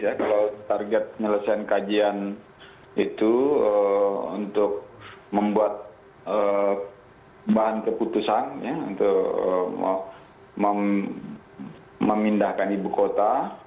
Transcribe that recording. kalau target penyelesaian kajian itu untuk membuat bahan keputusan untuk memindahkan ibu kota